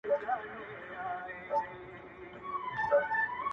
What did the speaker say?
o د رڼا كور ته مي يو څو غمي راڼه راتوی كړه،